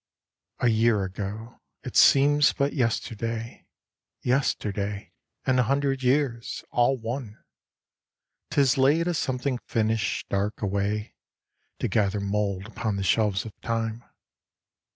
A year ago ! It seems but yesterday. Yesterday! And a hundred years! All one. 'Tis laid a something finished, dark, away, To gather mould upon the shelves of Time.